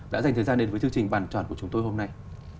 đã dành thời gian đến với chương trình bàn tròn của chúng tôi hôm nay